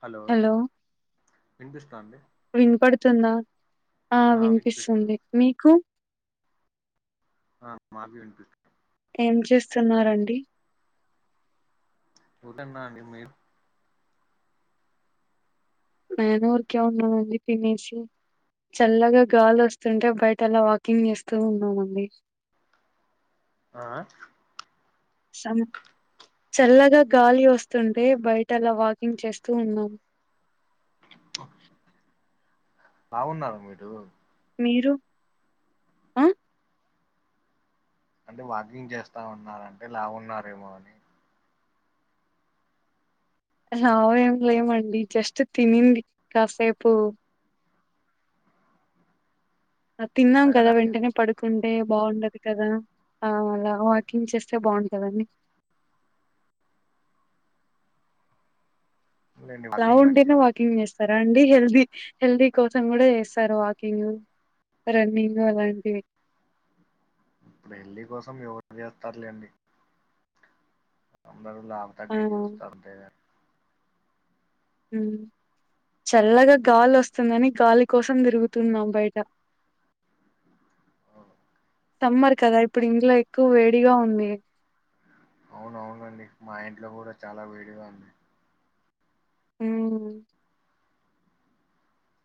Hello వినిపిస్థాంది. తుందా ఆ వినిపిస్తుంది మీకు ఆ మాకి వినిపిస్తుంది. ఏం చేస్తున్నారండి. ఊరికే ఉన్నానండి మీరు మేము ఊరికే ఉన్నామండి తినేసి చల్లగా గాలోస్తుంటే బయట అలా వాకింగ్ చేస్తూ ఉన్నామండి. ఆ చం చల్లగా గాలి వస్తుంటే బయటలా వాకింగ్ చేస్తూ ఉన్నాము. లావున్నారా మీరు మీరు ఆ అంటే వాకింగ్ చేస్తా ఉన్నారంటే లావున్నారేమో అని లావేం లేమండి జస్ట్ తినింది కాసేపు తిన్నాం కదా అడగడానికే వెంటనే పడుకుం న్టే బాగుండదు కదా ఆ అలా వాకింగ్ చేస్తే బాగుంటదని లేండి వాకింగ్ లావుంటేనే మంచిదే వాకింగ్ చేస్త రాండి. హెల్దీ హెల్దీ కోసం కూడా చేస్తారు వాకింగ్ రన్నింగ్ అలాంటివి. ఇప్పుడు హెల్ది కోసం ఎవరు చేస్తార్లేండి. బరువు లావు ఆ తగ్గించి చూస్తా అంతే యూ చల్లగా గాలి వస్తుందని గాలి కోసం తిరుగుతున్నాం బయట సమ్మర్ కదా ఇప్పుడు ఇంట్లో ఎక్కువ వేడిగా ఉంది అవును అవును అండి మా ఇంట్లో కూడా చాలా వేడిగా ఉంది ఉహ్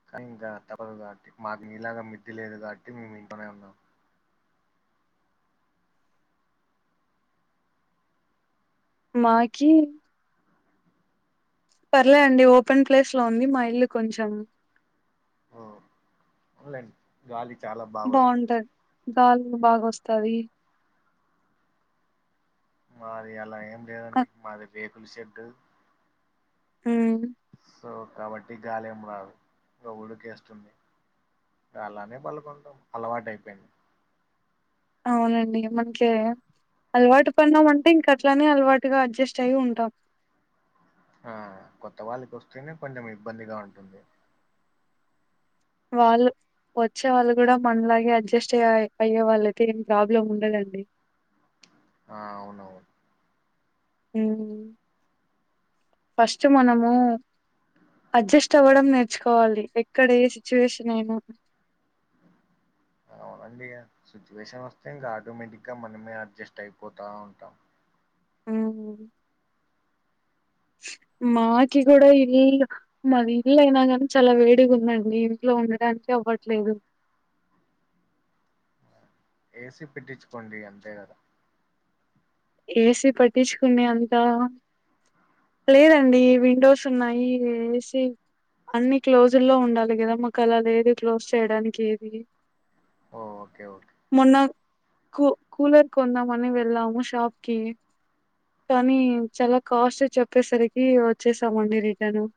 కానీ ఇంకా తప్పదు కాబట్టి మాకు నీలాగా మిడ్డీ లేదు కాబట్టి మేము ఇంట్లోనే ఉన్నాం మాకీ పర్లేదు అండి ఓపెన్ ప్లేస్ లో ఉంది మా ఇల్లు కొంచెం ఓ ఓన్ లేండి గాలి చాలా బాగా వస్ బాగుంటది గాలి బాగా వస్తాది మాది అలా ఎమ్ లేదండి మాది బేబ్ తులసి చెట్టు [inaudible] సో కాబట్టి గాలి ఏం రాదు ఇంక ఉడక వేస్తుంది అలానే పడుకుంటాం అలవాటై పోయింది అవునండి మనకి అలవాటు పన్నాం అంటే ఇంక అట్ల నే అలవాటుగా అడ్జస్ట్ అయ్యి ఉంటాం ఆ కొత్త వాళ్ళకి వస్తేనే కొంచెం ఇబ్బందిగా ఉంటుంది వాళ్ళు వచ్చే వాళ్ళు కూడా మనలాగే అడ్జస్ట్ అయ్యి అయ్యే వాళ్ళ అయితే ఏం ప్రాబ్లం ఉండదండి ఆ అవునవును యూ ఫస్ట్ మనము అడ్జస్ట్ అవ్వడం నేర్చుకోవాలి ఎక్కడ ఏ సిట్యుయేషన్ అయినా వండి ఆ సిట్యుయేషన్ వస్తే ఇంకా ఆటోమేటిక్ గా మనమే అడ్జస్ట్ అయిపోతా ఉంటాం యూ మాకి కూడా ఇల్లు మాది ఇల్లు అయినా కానీ చాలా వేడిగా ఉంది అండి ఇంట్లో ఉండడానికి అవ్వట్లేదు ఏసీ పెట్టించుకోండి అంతే కదా ఏసీ పెట్టించుకునే అంతా లేదండి విండోస్ ఉన్నాయి ఏసీ అన్ని క్లోజ్ లో ఉండాలి కదా మాకు అలా లేదు క్లోజ్ చేయడానికి ఏది ఓ, ఓకే ఓకే మొన్నా కు కూలర్ కొందామని వెళ్ళాము షాప్ కి కానీ చాలా కాస్ట్ చెప్పేసరికి వచ్చేసామండి రిటర్న్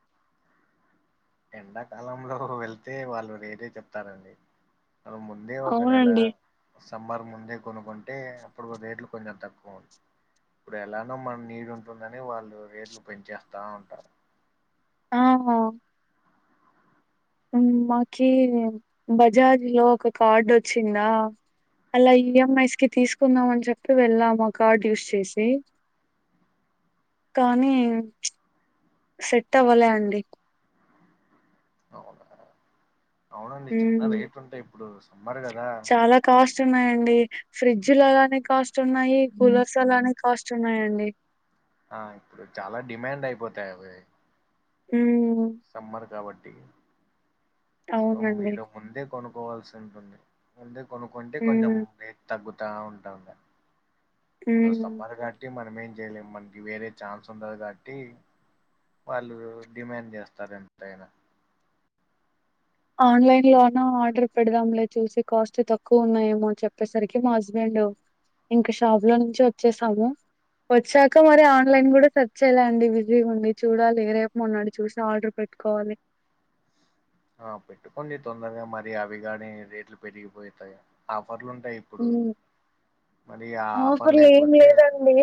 ఎండాకాలంలో వెళ్తే వాళ్ళు రేట్ ఏ చెప్తారండి అ ముందే ఒక్క నేల అవునండి. సమ్మర్ ముందే కొనుకున్ అంటే అప్పుడు రేట్లు కొంచెం తక్కువ ఉన్ ఇప్పుడు ఎలానో మన నీడు ఉంటుందని వాళ్ళు రేట్లు పెంచేస్తా ఉంటారు ఆ యూ మాకి బజాజ్ లో ఒక కార్డ్ వచ్చిందా అలా ఈఎంఐస్ కి తీసుకుందాం అని చెప్పి వెళ్ళాము ఆ కార్డ్ యూస్ చేసి కానీ ఉహ్ సెట్ అవ్వలే అండి అవునా అవునండి చాలా హ్మ్ రేట్లు ఉంటాయి ఇప్పుడు సమ్మర్ కదా చాలా కాస్ట్ ఉన్నాయ్ డి ఫ్రిడ్జ్ లు అలానే కాస్ట్ ఉన్నాయి కూలర్స్ అలానే కాస్ట్ ఉన్నాయ్ అండి ఆ ఇప్పుడు చాలా డిమాండ్ అయిపోతాయి అవి ఉ సమ్మర్ కాబట్టి సో అవునండి మీరు ముందే కొను పోవాల్సి ఉంటుంది అంటె కొనుక్కుంటే కొంచెం హ్మ్ రేట్ తగ్గు తా ఉంటాండ హ్మ్ [unintelligible] గాట్టి మనమేం జేయలేం మనకి వేరే ఛాన్స్ ఉండదు కాబట్టి వాళ్ళు డిమాండ్ చేస్తారు ఎంతైనా ఆన్లైన్ లోన ఆర్డర్ పెడదాం లే చూసి కాస్ట్ తక్కువ ఉన్నాయేమోని చెప్పేసరికి మా హస్బెండ్ ఇంక షాప్ లో నుంచి వచ్చేసాము వచ్చాక మరి ఆన్లైన్ కుడా సర్చ్ చేయలేండి బిజీగా ఉండి చూడాలి రేపు మన్నాడొ చూసి ఆర్డర్ పెట్టుకోవాలి ఆ పెట్టుకోండి తొందరగా మరి అవి గాని రేట్లు పెరిగిపోతాయి ఆఫర్లు ఉంటాయి ఇప్పుడు ఉమ్ మరి ఆ ఆఫర్ ఆఫర్లు ఏం లేకపోతే లేదండి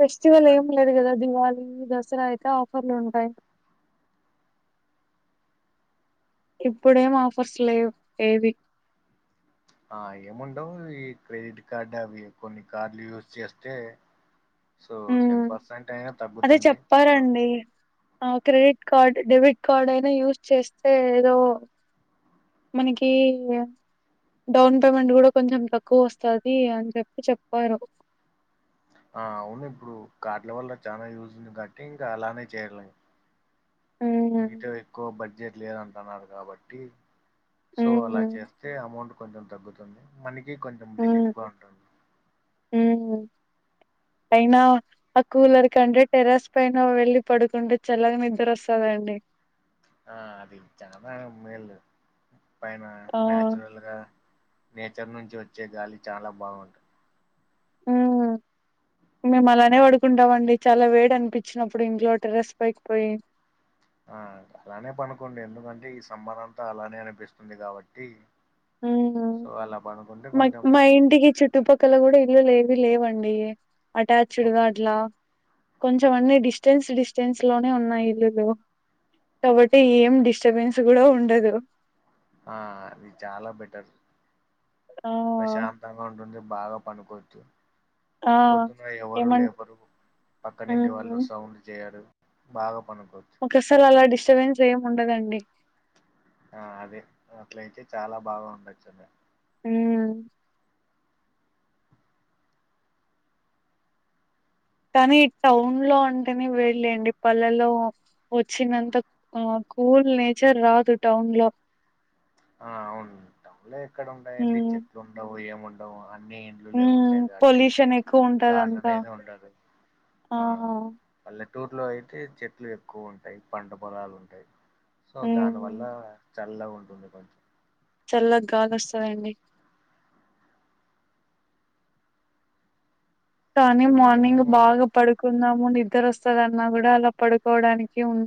ఫెస్టివల్ ఏం లేదు గదా దివళి ఉ దసరా అయితే ఆఫర్లుంటాయ్ ఇప్పుడేం ఆఫర్స్ లేవ్ ఏవి ఆ ఏముండవు ఈ క్రెడిట్ కార్డు అవి కొన్ని కార్డులు యూజ్ చేస్తే సో టెన్ ఉమ్ పర్సెంట్ అయినా అదే తగ్గుతుంది సో చెప్పారండి ఆ క్రెడిట్ కార్డ్ డెబిట్ కార్డ్ అయినా యూస్ చేస్తే ఏదో మనకి డౌన్ పేమెంట్ కూడా కొంచెం తక్కువ వస్తుంది అని చెప్పి చెప్పారు ఆ అవును ఇప్పుడు కాడ్ల వల్ల చాలా యూజ్ ఉంది కాబట్టి ఇంకా అలానే చేయలిం మ్మ్ మీతో ఎక్కువ బడ్జెట్ లేదంటున్నారు కాబట్టి సో అలా మ్మ్ చేస్తే అమౌంట్ కొంచెం తగ్గుతుంది మనకి [unintelligible] కొంచం మ్మ్ రిలీఫ్ గా ఉంటుంది మ్మ్ అయినా ఆ కూలర్ కంటే టెరస్ పైన వెళ్ళి పడుకుంటే చల్లగా నిద్ర వస్తదండి ఆ అది చాలా మేలు పైన ఆ నాచ్చురల్ గా నేచర్ నుంచి వచ్చే గాలి చాలా బాగుంటాయ్ ఆ మేము అలానే పడుకుంటాం అండి చాలా వేడి అనిపించినప్పుడు ఇంట్లో టెర్రస్ పైకిపోయి ఆ అలానే పనుకోండి ఎందుకంటే ఈ సమ్మర్ అంతా అలానే అనిపిస్తుంది కాబట్టి సో అలా పను మ మా ఇంటికి చుట్టుపక్కల గుడా ఇల్లులు ఏవి లేవండి అటాచ్డ్ గా అట్లా కొంచం అన్ని డిస్టెన్స్ డిస్టెన్స్ లోనే ఉన్నాయి ఇల్లులు కాబట్టి ఏం డిస్టబెన్స్ కూడా ఉండదు ఆ అది చాలా బెటర్ ఆ ప్రశాంతంగ ఉంటుంది బాగా పనుకోచ్చు ఆ పొద్దున్నే ఎవరు ఏమన్ లేపరు పక్క నింటి వాళ్ళు మ్మ్ సౌండ్ చేయరు బాగా పను ఒకసారి అలా డిస్టర్బెన్స్ ఏమి ఉండదండి. ఆ అదే అట్లయితే చాలా బాగా ఉండొచ్చు అన్ ఊ కానీ టౌన్ లో అంటేనే వెళ్ళండి పల్లల్లో వచ్చినంత కూల్ నేచర్ రాదు. టౌన్ లో ఆ అవును టౌన్ లో ఎక్కడ ఉండయండి. మ్మ్ చెట్లు ఉండవు ఏముండ అవ్ య అన్న ఇండ్లులే మ్మ్ ఉంటాయి కాబట్టి పొల్యూషన్ ఎక్కువ ఉంటదంతా గాలినేది ఉండదు ఆ పల్లెటు టూర్లో అయితే చెట్లు ఎక్కువ ఉంటాయి. పంట పొలాలు ఉంటాయి. సో దాని వల్ల మ్మ్ చల్లగ ఉంటుంది కొంచ చల్ల గాలి వస్తదండి కానీ ఇప్పుడు మార్నింగ్ మేము బాగా పడుకొ ము నిద్దరవస్తాది అన్న కూడా అలా పడుకోవడానికి ఉన్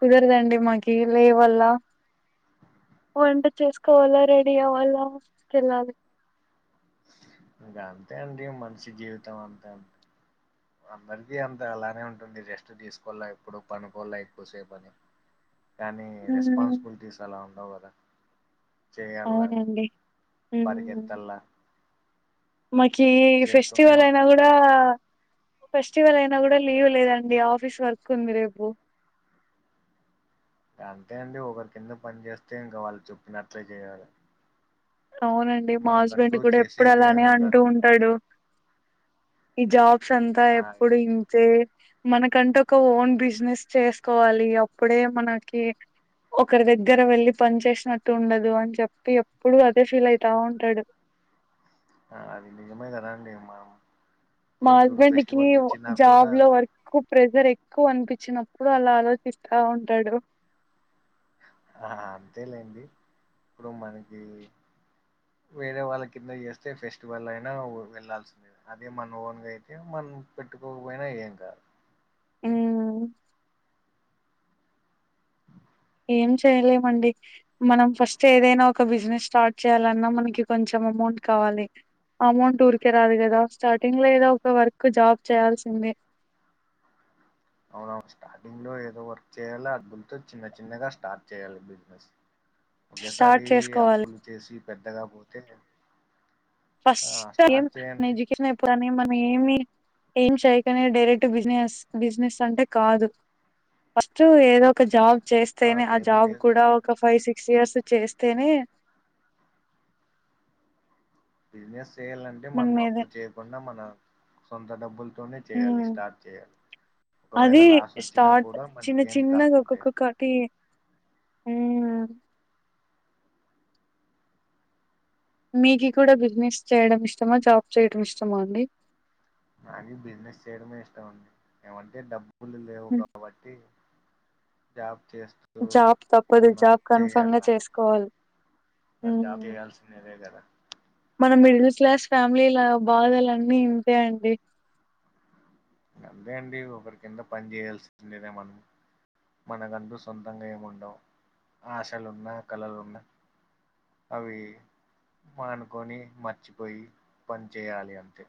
కుదరదండి. మాకి లేవల్ల వంట చేసుకోవాలా, రెడీ అవ్వాలా, తీసుకెళ్ళాలి. ఇంకా అంతే అండి మంచి జీవితం అంతే అం అందరికీ అంత అలానే ఉంటుంది. రెస్ట్ తీసుకోలా ఎప్పుడు పనుకోలా ఎక్కువసేపు అని కానీ మ్మ్ రెస్పాన్సిబిలిటీస్ అలా ఉండవు కద ద అవునండి హూఉ పరిగెత్తల్లా మకీ చేస్తూనే ఫెస్టివల్ అయినా ఉండాల కూడా ఫెస్టివల్ అయినా కూడా లీవ్ లేదండి ఆఫీస్ వర్క్ ఉంది రేపు అంతే అండి ఒకరి కింద పని చేేస్తే ఇంకా వాళ్ళు చెప్పినట్లే చేయాల అవునండి మా హస్బెండ్ కూడా ఎప్పుడు చేసేకి అలానే ఏమి అంటూ ఉండదు ఉంటాడు జాబ్ స్ అంతా ఆ ఎప్పుడు ఇంతే మనకంటే ఒక ఓన్ బిజినెస్ చేసుకోవాలి. అప్పుడే మనకి ఒకరి దగ్గర వెళ్ళి పని చేసినట్టు ఉండదు. అని చెప్పి ఎప్పుడు అ ఫీల్ అయితా ఉంటడు ఆ అది నిజమే కదండి మామ్ మా హస్బండ్ కి జాబ్ లో వర్క్ ప్రెజర్ ఎక్కువ అనిపించినప్పుడు అలా ఆలోచిస్తా ఉంటాడు. ఆ అంతేలేండి. ఇప్పుడు మనకి వేరే వాళ్ళ కింద చేస్తే ఫెస్టివల్ అయినా వెళ్లాల్సిందే. అదే మన ఓన్గా అయితే మన పెట్టుకోకపోయినా ఏం కాదు. ఊ ఏం చేయలేమండి. మనం ఫస్ట్ ఏదైనా ఒక బిజినెస్ స్టార్ట్ చేయాలన్నా, మనకి కొంచెం అమౌంట్ కావాలి. అమౌంట్ ఊరికే రాదు కదా. స్టార్టింగ్ లో ఏదో ఒక వర్క్ జాబ్ చేయాల్సిందే. అవునవు స్టార్టింగ్ లో ఏదో వర్క్ చేయల. అడ్గులతో చిన్న చిన్నగా స్టార్ట్ చేయాలి బిజినెస్. ఒకేసారి స్టార్ట్ చేసుకోవాలి అప్పులు చేసి పెద్దగా పోతే ఆ ఫస్ట్ ఏం స్టార్ట్ మన చేయండి ఎడ్యుకేషన్ అయిపోగానే మనం ఏమి ఏం చేయకనే డైరెక్ట్ బిజినెస్ బిజినెస్ అంటే కాదు. ఫస్ట్ ఏదో ఒక జాబ్ చేస్తేనే ఆ లేదు జాబ్ లేదు కూడా ఒక ఫైవ్ సిక్స్ ఇయర్స్ చేస్తేనే బిజినస్ చేయాలంటే మనం అప్పు చేయకుండా మన సొంత డబ్బులతోనే చేయాలి హ్మ్. స్టార్ట్ చేయాలి ఒకవేళ అది లాస్ వచ్చినా స్టార్ట్ కూడా మనకి ఏం కాదంటే అ మీకు కూడా బిజినెస్ చేయడం ఇష్టమా జాబ్ చేయడం ఇష్టమా అండి నాకి బిజినెస్ చేయడమే ఇష్టం అండి ఏమంటే డబ్బు లు లేవు హ్మ్. కాబట్టి జాబ్ చేస్తూ జాబ్ తప్పదు ఉన్నా జాబ్ కన్ఫర్మ్ గా చేయాల చేసుకోవాలి మరి జాబ్ చేయాల్సిందేదే కదా మనం మిడిల్ క్లాస్ ఫ్యామిలీల బాధలు అన్నీ ఇంతే అండి అంతే అండి ఒకరి కింద పని చేయాల్సిందే మనం మన కంటు సొంతంగా ఏముండవు ఆశలున్నా కళలున్నా అవి మానుకొని మర్చిపోయి పని చేయాలి అంతే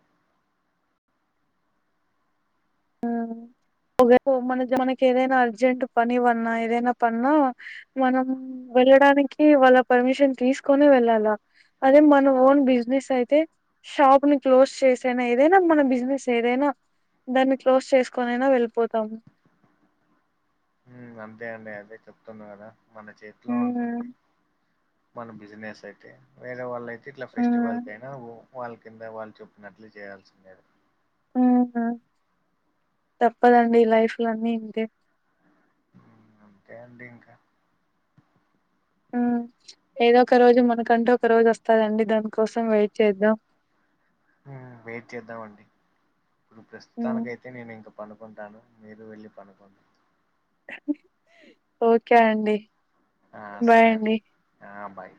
మన మనకి ఏదైనా అర్జెంట్ పని పన్నా ఏదైనా పన్నా మనం వెళ్ళడానికి వాళ్ళ పర్మిషన్ తీసుకుని వెళ్ళాలా అదే మన ఓన్ బిజినెస్ అయితే షాప్ ని క్లోజ్ చేసైనా ఏదైనా మన బిజినెస్ ఏదైనా దాన్ని క్లోజ్ చేసుకోనైనా వెళ్ళిపోతాము అంతే అండి అదే చెప్తున్నా కదా మన చేతిలో మ్మ్ ఉంటుంది మన బిజినెస్ అయితే వేరే వాళ్ళ అయితే ఇట్లా మ్మ్ ఫెస్టివల్ కైనా వాళ్ళ కింద వాళ్ళు చెప్పినట్లు చేయాల్సిందే ఆ తప్పదండి లైఫ్ లో అన్ని ఇంతే అంతే అండి ఇంకా ఏదో ఒక రోజు మనకంటూ ఒక రోజు వస్తందండి దానికోసం వెయిట్ చేద్దాం వెయిట్ చేద్దామండి ఇప్పుడు హ్మ్ ప్రస్తుతానికి అయితే నేను ఇంక పనుకుంటాను మీరు వెళ్ళి పనుకొండి ఓకే అండి ఆ బాయ్ సరే అండి ఆ బాయ్